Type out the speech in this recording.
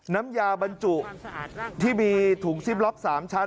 น้ำยาบรรจุที่มีถุงซิปล็อก๓ชั้น